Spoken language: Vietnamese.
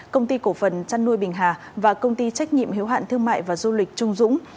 công ty cổ phần chăn nuôi bình hà và công ty trách nhiệm hiếu hạn thương mại và du lịch trung dũng